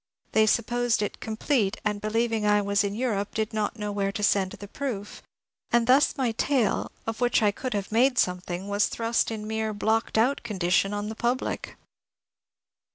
They supposed it complete, and bdieving I was in PINE AND PALM 423 Europe, did not know where to send the proof, and thus my tale, of which I could have made something, was thrust in mere blocked out condition on the public.